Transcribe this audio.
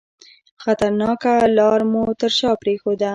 خطرناکه لار مو تر شاه پرېښوده.